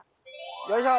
よいしょ！